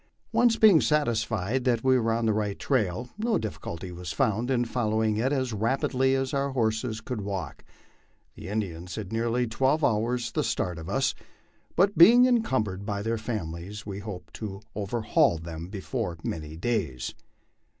Once being satisfied that we were on the right trail, no difficulty was found in following it as rapidly as our horses could walk. The Indians had nearly twelve hours the start of us, but being encumbered by their families, we hoped to overhaul them before many days.